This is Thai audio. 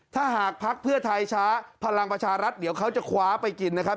ถ้าหากภักดิ์เพื่อไทยช้าพลังประชารัฐเดี๋ยวเขาจะคว้าไปกินนะครับ